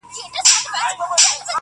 سپيني غوښي يې خوړلي تر سږمو وې -